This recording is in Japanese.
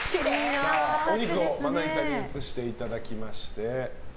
お肉をまな板に移していただきまして。